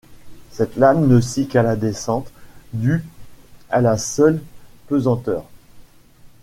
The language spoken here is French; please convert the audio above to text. Cette lame ne scie qu'à la descente, due à la seule pesanteur.